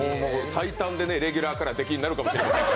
最短でレギュラーから敵になるかもしれない。